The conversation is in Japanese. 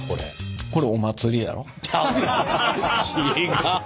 違う！